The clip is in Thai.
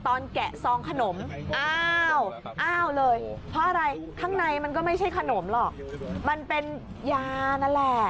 แกะซองขนมอ้าวอ้าวเลยเพราะอะไรข้างในมันก็ไม่ใช่ขนมหรอกมันเป็นยานั่นแหละ